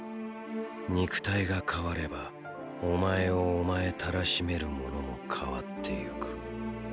肉体が変わればお前をお前たらしめるものも変わってゆく。